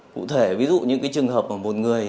cụ thể ví dụ những trường hợp mà một người